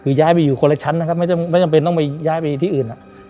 คือย้ายไปอยู่คนละชั้นนะครับไม่จำเป็นต้องไปย้ายไปที่อื่น